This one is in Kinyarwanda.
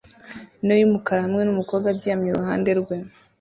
nto yumukara hamwe numukobwa aryamye iruhande rwe